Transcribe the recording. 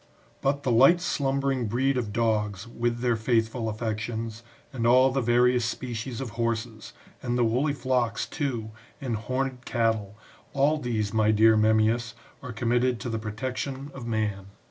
But the light slumbering breed of dogs, with their faithful affections, and all the various species of horses,^ and the woolly flocks, too, and horned cattle, all these, my dear Memmi'us, are com mitted to the protection of man.